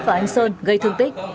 vào anh sơn gây thương tích